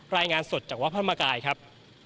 รายงานสดจากวัดพระมกายครับ